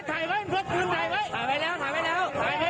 ถ่ายไว้แล้วถ่ายไว้แล้ว